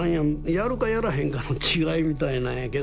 やるかやらへんかの違いみたいなんやけど。